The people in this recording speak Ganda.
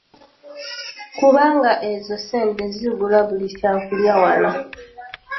Kubanga ezo sente zigula buli kyakulya wano.